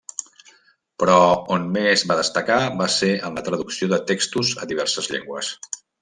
Però on més va destacar va ser en la traducció de textos a diverses llengües.